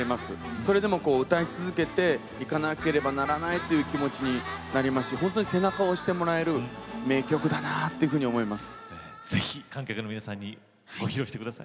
それでも歌い続けていかなければならないという気持ちになりますし背中を押してもらえる名曲だなと思います。